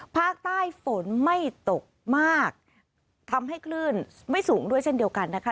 ภาคใต้ฝนไม่ตกมากทำให้คลื่นไม่สูงด้วยเช่นเดียวกันนะคะ